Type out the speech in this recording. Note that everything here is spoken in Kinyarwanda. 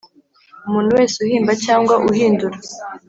Umuntu wese uhimba cyangwa uhindura